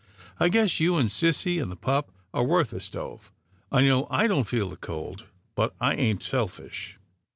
" I guess you, and sissy, and the pup are worth a stove. I know I don't feel the cold, but I ain't selfish."